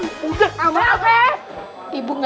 aku pelan mendobakan sebetulnya